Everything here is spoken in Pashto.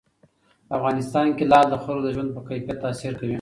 په افغانستان کې لعل د خلکو د ژوند په کیفیت تاثیر کوي.